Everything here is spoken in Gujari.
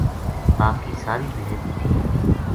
باقی ساری بھیڈ ٹھیک تھی